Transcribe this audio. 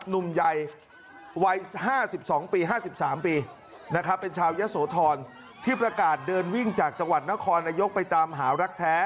หนุ่มใหญ่วัย๕๒ปี๕๓ปีนะครับเป็นชาวยะโสธรที่ประกาศเดินวิ่งจากจังหวัดนครนายกไปตามหารักแท้